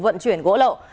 vận chuyển gỗ lậu